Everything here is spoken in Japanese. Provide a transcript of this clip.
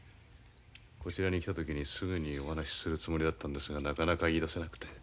こちらに来た時にすぐにお話しするつもりだったんですがなかなか言いだせなくて。